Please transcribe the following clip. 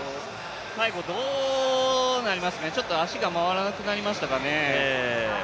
最後、どうなりましたかね、足が回らなくなりましたかね。